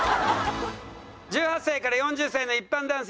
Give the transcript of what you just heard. １８歳から４０歳の一般男性に聞いた